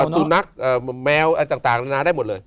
สุนัขแมวอะไรต่างนานาได้หมดเลย